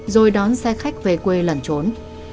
rồi đón xe khách về quê lẩn trốn